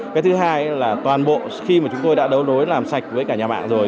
cái thứ hai là toàn bộ khi mà chúng tôi đã đấu nối làm sạch với cả nhà mạng rồi